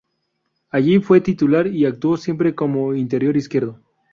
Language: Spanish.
Allí fue titular y actuó siempre como interior izquierdo.